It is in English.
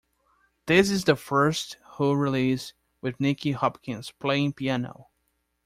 This is the first Who release with Nicky Hopkins playing piano.